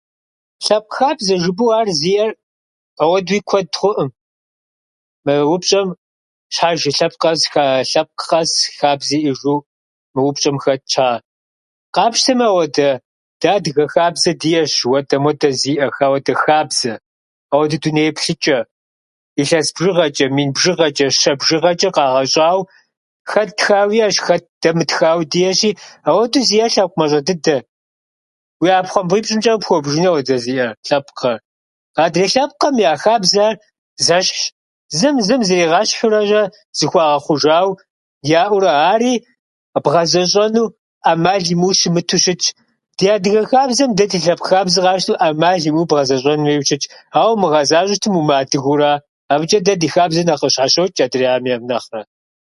Лъэпкъ хабзэ жыпӏэу, ар зиӏэр ауэдэуи куэд хъуӏым. Мы упщӏэм щхьэж и лъэпкъ къэс хаа-лъэпкъ къэс хабзэ иӏэжу, мы упщӏэм хэтщ ар. Къапщтэмэ, ауэдэ дэ адыгэ хабзэ диӏэщ жыхуэтӏэм хуэдэ зиӏэ, ауэдэ хабзэ, ауэдэ дуней еплъычӏэ. Илъэс бжыгъэчӏэ, мин бжыгъэчӏэ, щэ бжыгъэчӏэ, къагъэщӏауэ хэт тхауэ иӏэщ, хэт- дэ мытхауэ диӏэщи, ауэдэ зиӏэр лъэпкъ мащӏэ дыдэ. Уи ӏэпхъуэмбипщӏымчӏэ къыпхуэбжыну ауэдэ зиӏэ лъэпкъхьэр. Адрей лъэпкъхьэм я хабзэхьэр зэщхьщ. Зым зым зригъэщхьурэ-щэ зыхуагъэхъужауэ яӏэу ара. Ари бгъэзэщӏэну ӏэмал имыӏэу щымыту щытщ. Ди адыгэ хабзхэм, дэ ди лъэпкъ хабзэрауэ щытмэ ӏэмал имыӏэу бгъэзэщӏэн хуейуэ щытщ, ар умыгъэзащӏэу щытым, умыадыгэу аращ. Абычӏэ дэ ди хабзэр нэхъ къыщхьэщочӏ адрейхэм ейм нэхърэ.